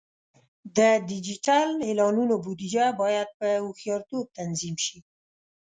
د ډیجیټل اعلانونو بودیجه باید په هوښیارتوب تنظیم شي.